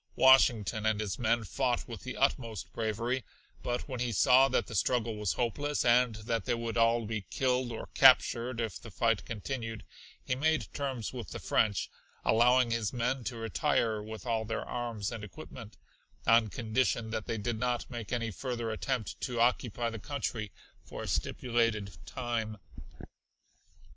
Washington and his men fought with the utmost bravery, but when he saw that the struggle was hopeless and that they would all be killed or captured if the fight continued, he made terms with the French, allowing his men to retire with all their arms and equipment, on condition that they did not make any further attempt to occupy the country for a stipulated time.